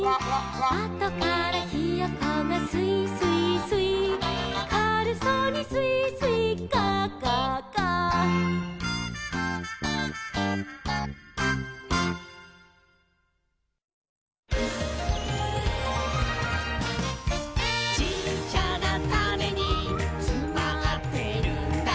「あとからひよこがすいすいすい」「かるそうにすいすいガァガァガァ」「ちっちゃなタネにつまってるんだ」